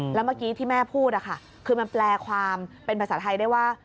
แล้วเมื่อกี้ที่แม่พูดคือมันแปลความเป็นภาษาไทยได้ว่า